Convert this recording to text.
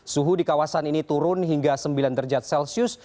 suhu di kawasan ini turun hingga sembilan derajat celcius